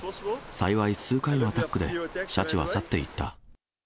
幸い、数回のアタックでシャチは去っていった。